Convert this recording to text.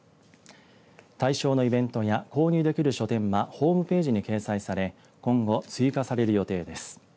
対象のイベントや購入できる書店はホームページに掲載され今後、追加される予定です。